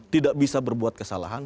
tidak bisa berbuat kesalahan